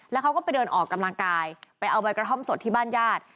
แล้วเขาก็ไปเดินออกกำลังกายไปเอาใบกระท่อมสดที่บ้านญาติ